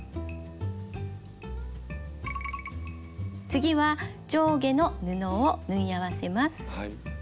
次は上下の布を縫い合わせます。